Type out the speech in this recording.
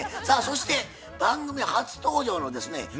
さあそして番組初登場のですね